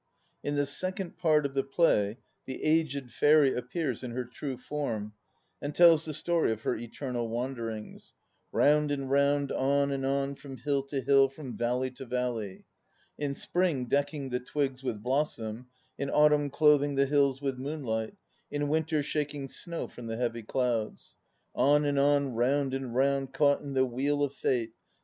In the second part of the play the aged fairy appears in her true form and tells the story of her eternal wanderings "round and round, on and on, from hill to hill, from valley to valley." In spring decking the twigs with blossom, in autumn clothing the hills with moonlight, in winter shaking snow from the heavy clouds. "On and on, round and round, caught in the Wheel of Fate.